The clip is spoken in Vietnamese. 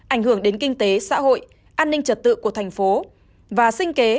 ảnh hưởng đến kinh tế xã hội an ninh trật tự của thành phố và sinh kế